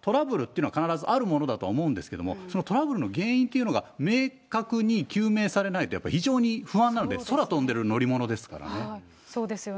トラブルっていうのは必ずあるものだとは思うんですけれども、そのトラブルの原因というのが、明確に究明されないとやっぱり非常に不安なんです、空飛んでる乗そうですよね。